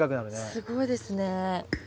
すごいですね。